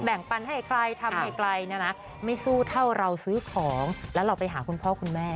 แบ่งปันให้ใครทำให้ใครไม่สู้เท่าเราซื้อของแล้วเราไปหาพ่อคุณแม่